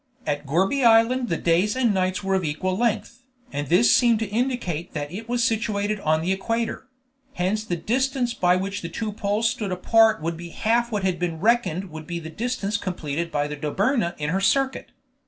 At Gourbi Island the days and nights were of equal length, and this seemed to indicate that it was situated on the equator; hence the distance by which the two poles stood apart would be half what had been reckoned would be the distance completed by the Dobryna in her circuit.